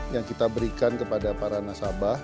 yang kita berikan kepada para nasabah